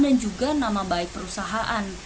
dan juga nama baik perusahaan